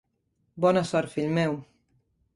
Bona sort, fill meu.